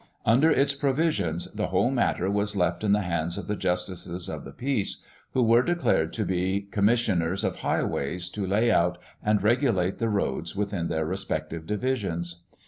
Under its provisions the whole matter was left in the hands of the Justices of the Peace, who were declared to be commissioners of highways to lay out and regulate the roads within their respective divisions.